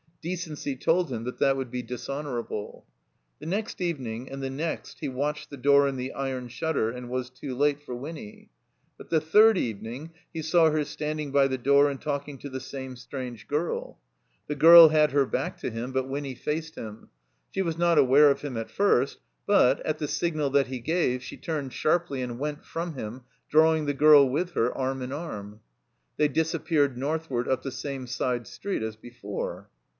Decency told him that that would be dishonorable. 69 THE COMBINED MAZE The ne3ct evening and the next he watched the door in the iron shutter, and was too late for Winny. But the third evening he saw her standing by the door and talking to the same strange girl. The girl had her back to him, but Winny faced him. She was not aware of him at first; but, at the signal that he gave, she turned sharply and went from him, drawing the girl with her, arm in arm. Hiey disappeared northward up the same side street as before.